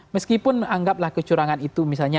meskipun anggaplah kecurangan itu misalnya